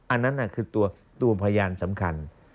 อันนั้นคือตัวพยานสำคัญ